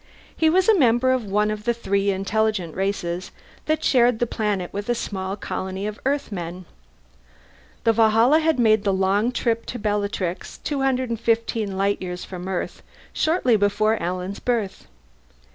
He was a member of one of the three intelligent races that shared the planet with a small colony of Earthmen. The Valhalla had made the long trip to Bellatrix, 215 light years from Earth, shortly before Alan's birth.